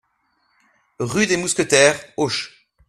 Rue des Mousquetaires, Auch